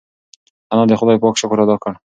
انا د خدای پاک شکر ادا کړ.